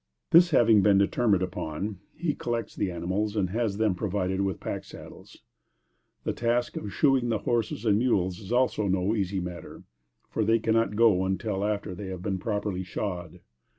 This having been determined upon, he collects the animals and has them provided with pack saddles. The task of shoeing the horses and mules is also no easy matter, for they cannot go until after they have been properly shod.